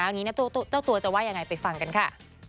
อันนี้นะเจ้าตัวจะว่ายังไงไปฟังกันค่ะ